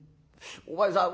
「お前さん